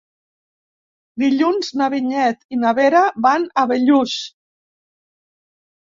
Dilluns na Vinyet i na Vera van a Bellús.